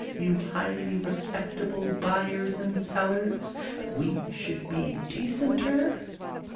You highly respectable Buyers and sellers? We should be decenter?